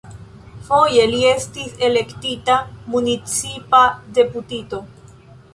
Foje li estis elektita municipa deputito.